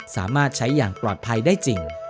สามารถใช้อย่างปลอดภัยได้จริง